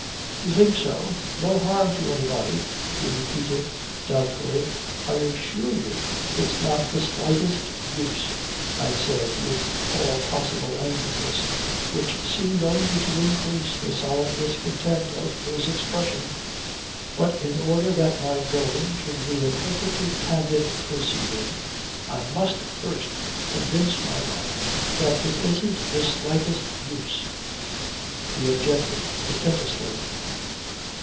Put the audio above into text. "You think so? No harm to anybody?" he repeated doubtfully. "I assure you it's not the slightest use," I said with all possible emphasis which seemed only to increase the solemn discontent of his expression. "But in order that my going should be a perfectly candid proceeding I must first convince my wife that it isn't the slightest use," he objected portentously.